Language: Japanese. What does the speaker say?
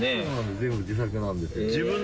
全部自作なんですよ。